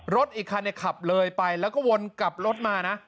รถอีกคันขับเลยไปแล้วก็วนกลับรถมานะ